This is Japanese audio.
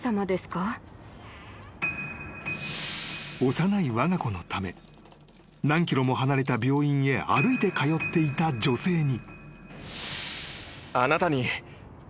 ［幼いわが子のため何ｋｍも離れた病院へ歩いて通っていた女性に］